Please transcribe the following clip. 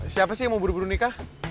siapa sih yang mau buru buru nikah